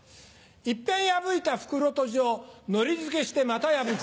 いっぺん破いた袋とじをのり付けしてまた破く。